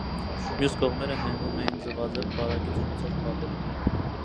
Մյուս կողմերը հենվում էին ձվաձև պարագիծ ունեցող պատերի վրա։